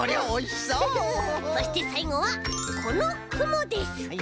そしてさいごはこのくもです！